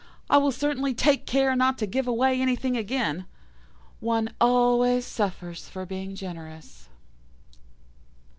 I will certainly take care not to give away anything again. One always suffers for being generous.